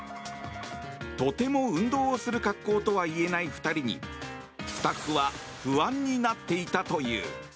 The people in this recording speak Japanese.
とても運動をする格好とはいえない２人にスタッフは不安になっていたという。